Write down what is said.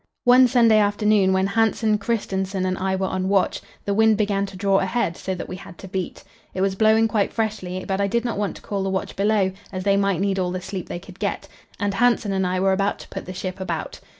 One Sunday afternoon, when Hansen, Kristensen and I were on watch, the wind began to draw ahead, so that we had to beat. It was blowing quite freshly, but I did not want to call the watch below, as they might need all the sleep they could get, and Hansen and I were to put the ship about.